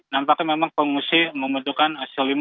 nampaknya memang pengungsi membutuhkan asil